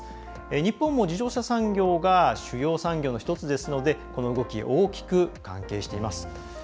日本も自動車産業が主要産業の１つですのでこの動き、大きく関係しています。